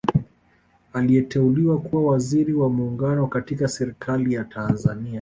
aliteuliwa kuwa waziri wa muungano katika serikali ya tanzania